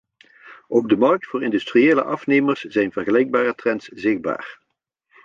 Op de markt voor industriële afnemers zijn vergelijkbare trends zichtbaar.